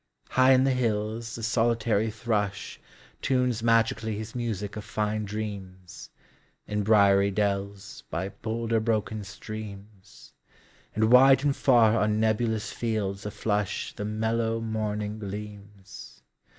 High in the hills the solitary thrush Tunes magically his music of fine dreams, In briary dells, by boulder broken streams; And wide and far on nebulous fields aflush The mellow morning gleams.